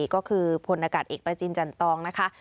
ก็คือฝลกัดอีกตะจินจันตรองนะคะ